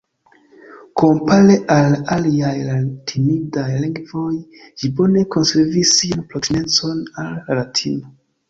Kompare al aliaj latinidaj lingvoj, ĝi bone konservis sian proksimecon al la Latino.